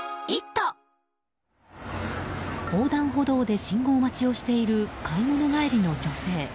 横断歩道で信号待ちをしている買い物帰りの女性。